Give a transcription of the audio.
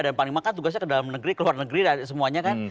dan panglima kan tugasnya ke dalam negeri ke luar negeri dan semuanya kan